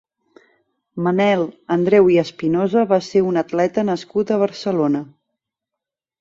Manel Andreu i Espinosa va ser un atleta nascut a Barcelona.